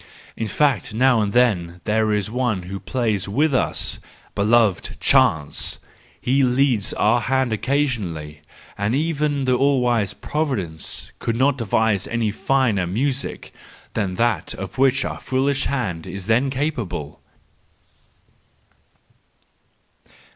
In fact, now and then there is one who plays with us—beloved Chance: he leads our hand occasionally, and even the all wisest Providence could not devise any finer music than that of which our foolish hand is then capable.